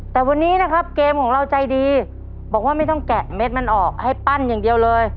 แต่วันนี้นะครับเกมของเราใจดีบอกว่าไม่ต้องแกะเม็ดมันออกให้ปั้นอย่างเดียวเลย